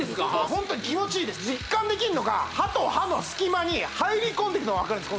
ホントに気持ちいいです実感できるのが歯と歯の隙間に入り込んでいくのが分かるんです